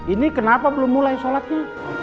ini kenapa belum mulai sholatnya